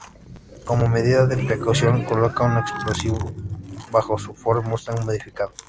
Como medida de precaución, coloca un explosivo bajo su Ford Mustang modificado.